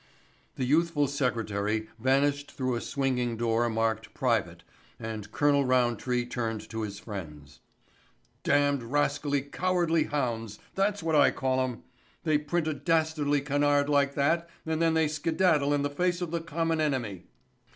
The youthful secretary vanished through a swinging door marked "Private" and Colonel Roundtree turned to his friends. "Damned, rascally, cowardly hounds—that's what I call 'em. They print a dastardly canard like that and then they skedaddle in the face of the common enemy."